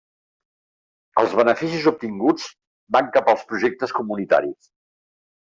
Els beneficis obtinguts van cap als projectes comunitaris.